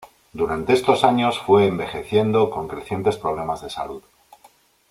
Durante estos años fue envejeciendo con crecientes problemas de salud.